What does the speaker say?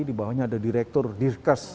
dibawahnya ada direktur dirkes